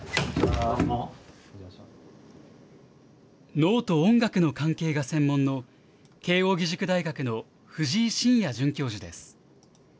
脳と音楽の関係が専門の、慶応義塾大学の藤井進也准教授です。